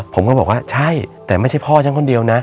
ผมก็บอกว่าใช่แต่ไม่ใช่พ่อฉันคนเดียวนะ